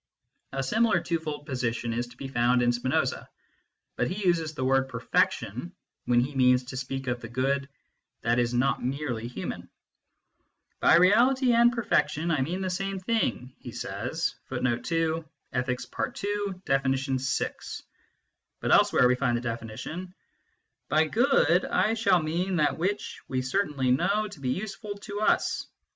A similar twofold position is to be found in Spinoza, but he uses the word " perfection " when he means to speak of the good that is not merely human. " By reality and perfection I mean the same thing," he says ; 2 but else where we find the definition :" By good I shall mean that which we certainly know to be useful to us."